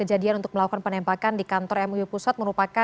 jalan proklamasi jakarta pusat